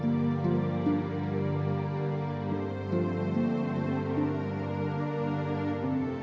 pergi ke burungbang lalu ke seluruh tablets